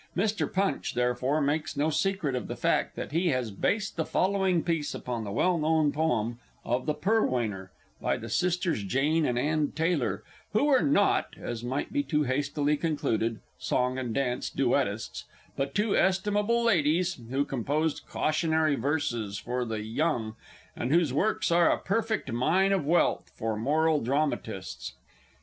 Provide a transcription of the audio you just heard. Mr. Punch, therefore, makes no secret of the fact, that he has based the following piece upon the well known poem of "The Purloiner," by the Sisters Jane and Ann Taylor, who were not, as might be too hastily concluded, "Song and Dance Duettists," but two estimable ladies, who composed "cautionary" verses for the young, and whose works are a perfect mine of wealth for Moral Dramatists.